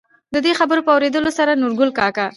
د دې خبرو په اورېدلو سره نورګل کاکا،